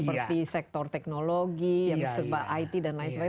seperti sektor teknologi yang serba it dan lain sebagainya